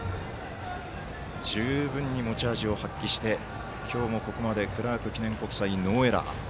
十分に持ち味を発揮して今日もここまでクラーク記念国際、ノーエラー。